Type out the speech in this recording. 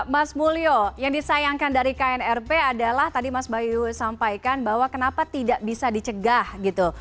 mas mulyo yang disayangkan dari knrp adalah tadi mas bayu sampaikan bahwa kenapa tidak bisa dicegah gitu